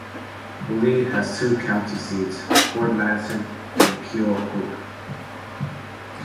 Lee has two county seats - Fort Madison and Keokuk.